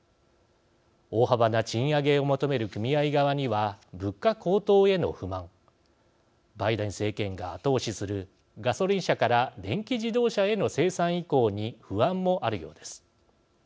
大幅な賃上げを求める組合側には物価高騰への不満バイデン政権が後押しするガソリン車から電気自動車への生産移行に不安もあるようです。